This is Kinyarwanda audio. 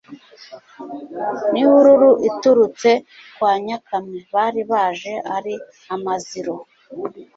N' ihururu iturutse kwa Nyakamwe.Bari baje ari amaziro